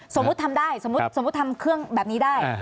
สมมุติทำได้สมมุติทำเครื่องแบบนี้ได้